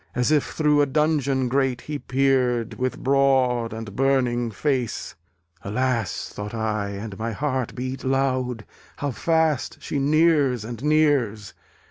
As if through a dungeon grate he peered With broad and burning face. Alas! (thought I, and my heart beat loud) How fast she nears and nears!